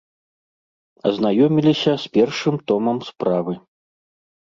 Азнаёміліся з першым томам справы.